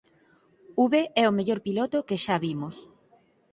V é o mellor piloto que xa vimos.